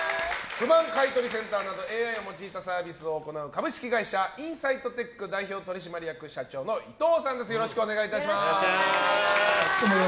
不満買い取りセンターなどＡＩを用いたサービスなど株式会社ＩｎｓｉｇｈｔＴｅｃｈ代表取締役社長の伊藤友博社長です。